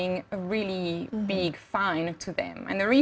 dan dia hanya dikeluarkan setelah meminta